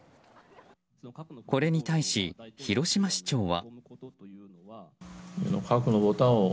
これに対し、広島市長は。